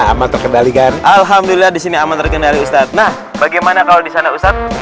aman terkendali kan alhamdulillah disini aman terkendali ustadz nah bagaimana kalau disana ustadz